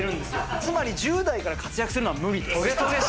つまり１０代から活躍するのは無理です。